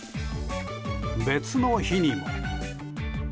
別の日にも。